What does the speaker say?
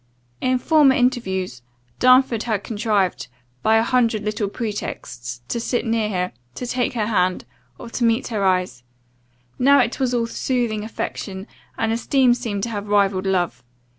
In former interviews, Darnford had contrived, by a hundred little pretexts, to sit near her, to take her hand, or to meet her eyes now it was all soothing affection, and esteem seemed to have rivalled love.